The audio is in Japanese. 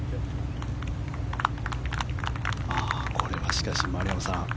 これはしかし、丸山さん